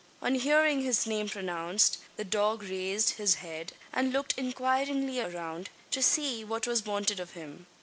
On hearing his name pronounced, the dog raised his head and looked inquiringly around, to see what was wanted of him.